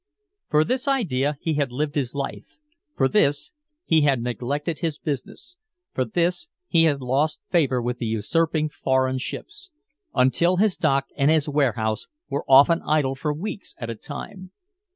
For this idea he had lived his life. For this he had neglected his business, for this he had lost favor with the usurping foreign ships until his dock and his warehouse were often idle for weeks at a time.